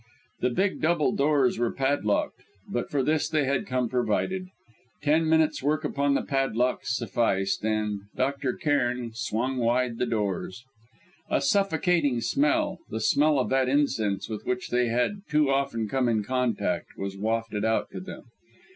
The big double doors were padlocked, but for this they had come provided. Ten minutes work upon the padlock sufficed and Dr. Cairn swung wide the doors. A suffocating smell the smell of that incense with which they had too often come in contact, was wafted out to them.